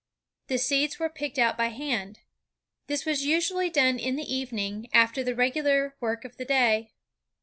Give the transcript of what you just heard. The seeds were picked out by hand. This was usually done in the evening, after the regular work of the day.